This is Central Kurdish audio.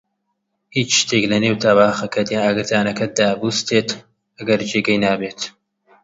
هیچ شتێک لەنێو تەباخەکەت یان ئاگردانەکەت دا بووستێت، ئەگەر جێگەی نابێت